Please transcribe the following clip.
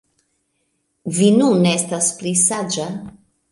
Vi nun estas pli saĝa